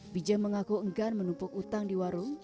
bija mengaku enggan menumpuk utang di warung